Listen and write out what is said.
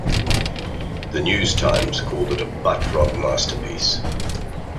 "The News-Times" called it a "butt-rock masterpiece".